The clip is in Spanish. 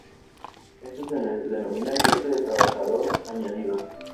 Esto se denomina "efecto de trabajador añadido".